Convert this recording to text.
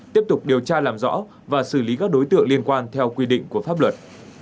tiếp tục điều tra làm rõ và xử lý các đối tượng liên quan theo quy định của pháp luật